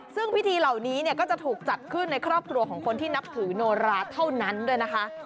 ซึ่งพิธีเหล่านี้ก็จะถูกจัดขึ้นในครอบครัวของคนที่นับถือโนราเท่านั้นด้วยนะคะ